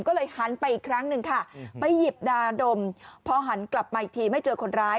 ก็เลยหันไปอีกครั้งหนึ่งค่ะไปหยิบดาดมพอหันกลับมาอีกทีไม่เจอคนร้าย